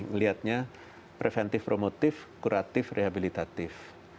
melihatnya preventif promotif kuratif rehabilitatif